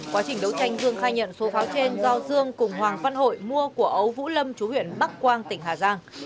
quá trình đấu tranh dương khai nhận số pháo trên do dương cùng hoàng văn hội mua của ấu vũ lâm chú huyện bắc quang tỉnh hà giang